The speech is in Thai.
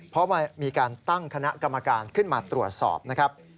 เพราะมีการตั้งคณะกรรมการขึ้นมาตรวจสอบนะครับ